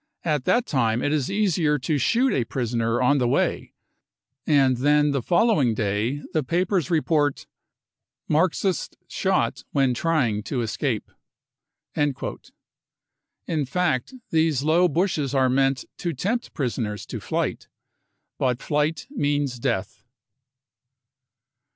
At that time it is easier to shoot a prisoner on the way, and then the following day the papers report ; Marxist shot when trying to escape/ 5 In fact, these low bushes are meant to tempt prisoners to flight ; but flight means death.